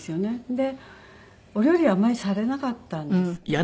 でお料理あんまりされなかったんですって。